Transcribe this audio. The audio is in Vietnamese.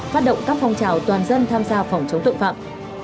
phát động các phong trào toàn dân tham gia phòng chống tội phạm